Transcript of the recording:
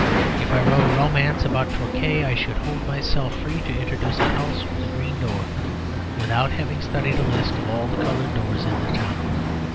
If I wrote a romance about Torquay, I should hold myself free to introduce a house with a green door without having studied a list of all the coloured doors in the town.